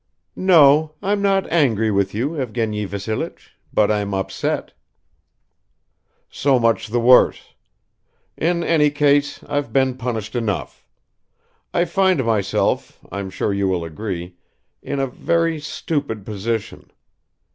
"No, I'm not angry with you, Evgeny Vassilich, but I'm upset." "So much the worse. In any case I've been punished enough. I find myself, I'm sure you will agree, in a very stupid position.